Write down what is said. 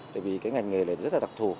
tại vì cái ngành nghề này rất là đặc thù